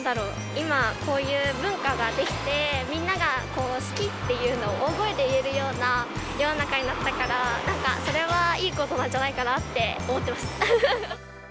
今、こういう文化ができて、みんなが好きっていうのを大声で言えるような世の中になったから、なんかそれはいいことなんじゃないかなって思ってます。